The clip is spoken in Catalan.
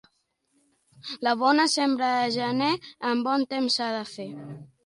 La bona sembra de gener en bon temps s'ha de fer.